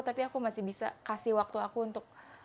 tapi aku masih bisa kasih waktu aku untuk